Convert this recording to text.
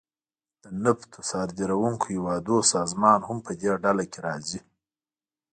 د نفتو صادرونکو هیوادونو سازمان هم پدې ډله کې راځي